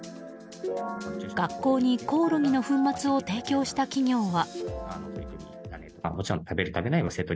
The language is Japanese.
学校にコオロギの粉末を提供した企業は。